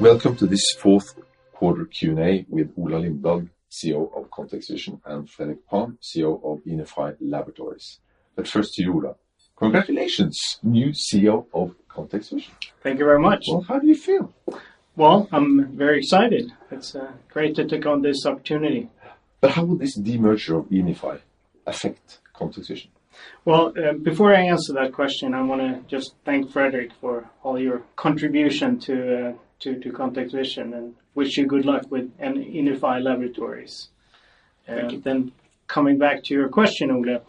Welcome to this fourth quarter Q&A with Ola Lindblad, CEO of ContextVision, and Fredrik Palm, CEO of Inify Laboratories. First to you, Ola. Congratulations, new CEO of ContextVision. Thank you very much. Well, how do you feel? Well, I'm very excited. It's great to take on this opportunity. How will this demerger of Inify affect ContextVision? Well, before I answer that question, I wanna just thank Fredrik for all your contribution to ContextVision and wish you good luck with in Inify Laboratories. Thank you. Coming back to your question, Ola,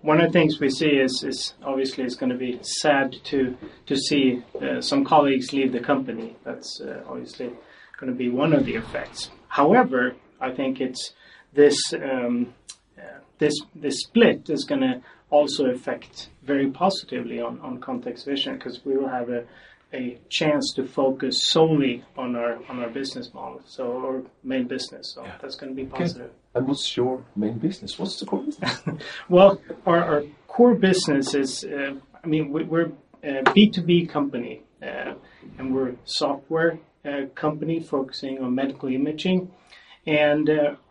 one of the things we see is, obviously, it's gonna be sad to see some colleagues leave the company. That's obviously gonna be one of the effects. However, I think it's this split is gonna also affect very positively on ContextVision 'cause we will have a chance to focus solely on our business model, so our main business. Yeah. That's gonna be positive. Okay. What's your main business? What's the core business? Well, our core business is, I mean, we're a B2B company, and we're a software company focusing on medical imaging.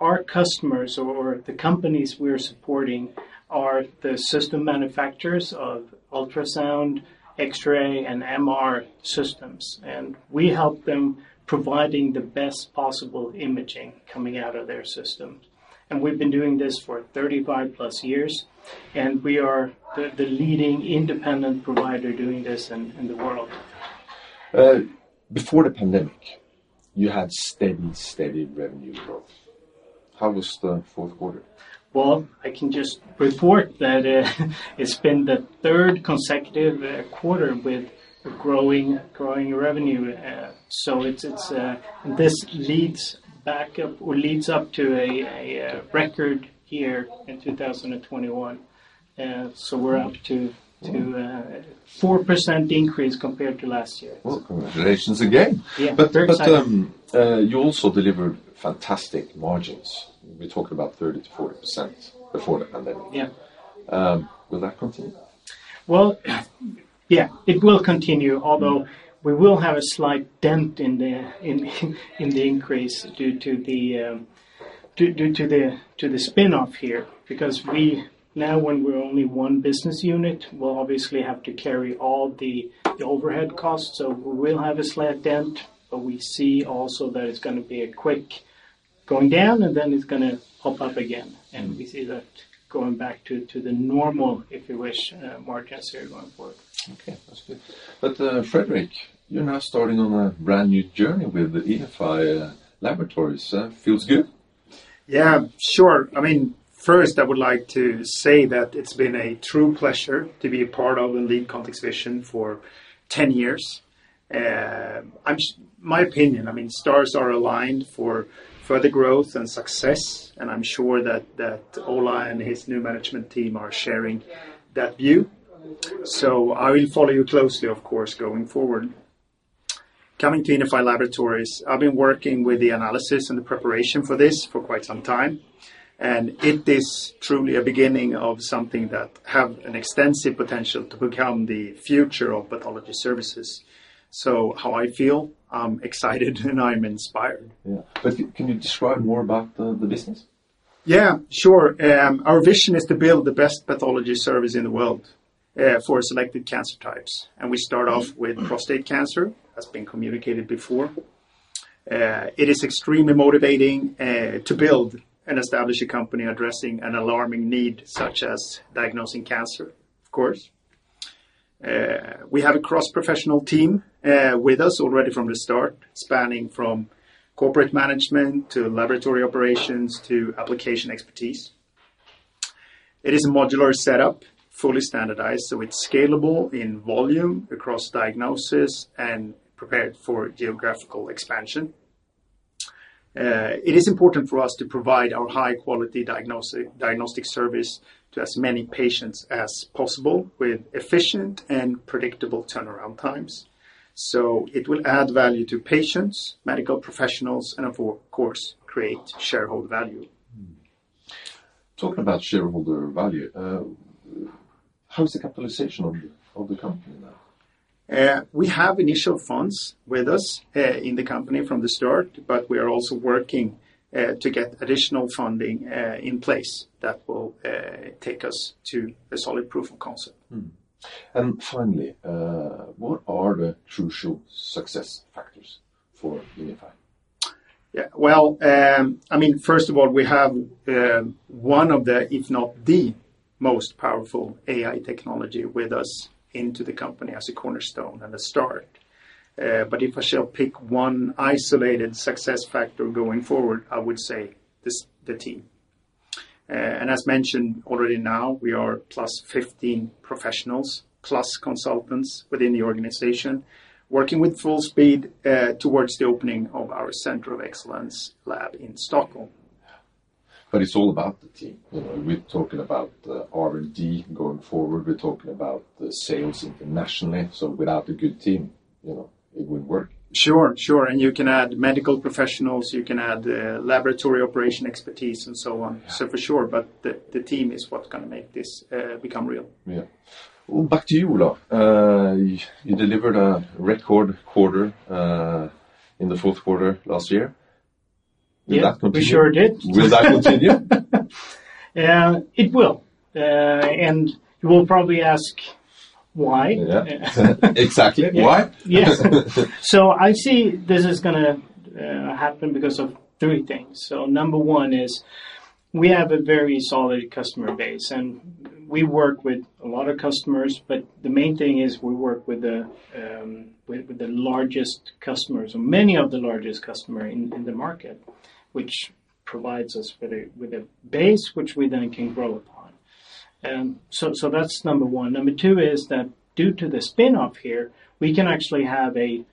Our customers or the companies we're supporting are the system manufacturers of ultrasound, X-ray, and MR systems, and we help them providing the best possible imaging coming out of their systems. We've been doing this for 35+ years, and we are the leading independent provider doing this in the world. Before the pandemic, you had steady revenue growth. How was the fourth quarter? Well, I can just report that it's been the third consecutive quarter with growing revenue. This leads up to a record year in 2021. We're up to a 4% increase compared to last year. Well, congratulations again. Yeah. Very excited. You also delivered fantastic margins. We talked about 30%-40% before the pandemic. Yeah. Will that continue? Well, yeah, it will continue, although we will have a slight dent in the increase due to the spinoff here. Because now when we're only one business unit, we'll obviously have to carry all the overhead costs. We will have a slight dent, but we see also that it's gonna be a quick going down, and then it's gonna pop up again. We see that going back to the normal, if you wish, margins here going forward. Okay. That's good. Fredrik, you're now starting on a brand-new journey with Inify Laboratories. Feels good? Yeah. Sure. I mean, first, I would like to say that it's been a true pleasure to be a part of and lead ContextVision for 10 years. My opinion, I mean, stars are aligned for further growth and success, and I'm sure that Ola and his new management team are sharing that view. I will follow you closely, of course, going forward. Coming to Inify Laboratories, I've been working with the analysis and the preparation for this for quite some time, and it is truly a beginning of something that have an extensive potential to become the future of pathology services. How I feel? I'm excited, and I'm inspired. Yeah. Can you describe more about the business? Yeah. Sure. Our vision is to build the best pathology service in the world for selected cancer types, and we start off with prostate cancer, as been communicated before. It is extremely motivating to build and establish a company addressing an alarming need such as diagnosing cancer, of course. We have a cross-professional team, with us already from the start, spanning from corporate management to laboratory operations to application expertise. It is a modular setup, fully standardized, so it's scalable in volume across diagnoses and prepared for geographical expansion. It is important for us to provide our high-quality diagnostic service to as many patients as possible with efficient and predictable turnaround times. It will add value to patients, medical professionals, and, of course, create shareholder value. Talking about shareholder value, how is the capitalization of the company now? We have initial funds with us in the company from the start, but we are also working to get additional funding in place that will take us to a solid proof of concept. Finally, what are the crucial success factors for Inify? Yeah. Well, I mean, first of all, we have one of the, if not the most powerful AI technology with us into the company as a cornerstone and a start. If I shall pick one isolated success factor going forward, I would say, the team. As mentioned already now, we are +15 professionals plus consultants within the organization working with full speed towards the opening of our Center of Excellence lab in Stockholm. Yeah. It's all about the team. You know, we're talking about R&D going forward. We're talking about the sales internationally. Without a good team, you know, it wouldn't work. Sure, sure. You can add medical professionals. You can add laboratory operation expertise and so on. Yeah. For sure, but the team is what's gonna make this become real. Yeah. Back to you, Ola. You delivered a record quarter in the fourth quarter last year. Yeah. Will that continue? We sure did. Will that continue? It will. You will probably ask why. Yeah. Exactly. Why? Yes. I see this is gonna happen because of three things. Number one is we have a very solid customer base, and we work with a lot of customers, but the main thing is we work with the largest customers or many of the largest customer in the market, which provides us with a base which we then can grow upon. That's number one. Number two is that due to the spin-off here, we can actually have a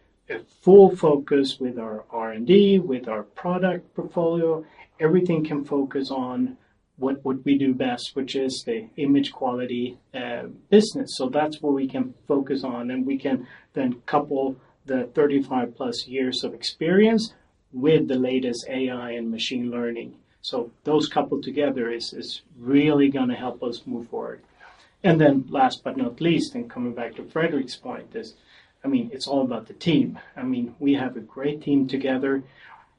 full focus with our R&D, with our product portfolio. Everything can focus on what would we do best, which is the image quality business. That's what we can focus on, and we can then couple the 35+ years of experience with the latest AI and machine learning. Those coupled together is really gonna help us move forward. Yeah. Last but not least, and coming back to Fredrik's point, is, I mean, it's all about the team. I mean, we have a great team together,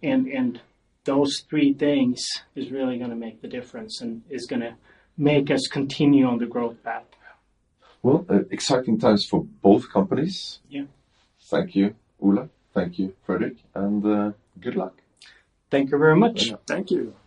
and those three things is really gonna make the difference and is gonna make us continue on the growth path. Yeah. Well, exciting times for both companies. Yeah. Thank you, Ola. Thank you, Fredrik. Good luck. Thank you very much. Thank you.